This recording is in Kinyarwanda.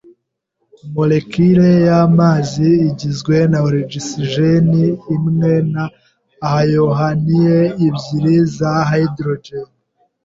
Molekile y'amazi igizwe na ogisijeni imwe na ayohanie ebyiri za hydrogen.